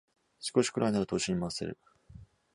少しくらいなら投資に回せる